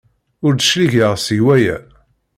Ur d-cligeɣ seg waya!